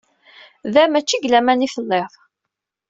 Da, mačči deg laman i telliḍ.